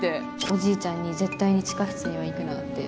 おじいちゃんに絶対に地下室には行くなって。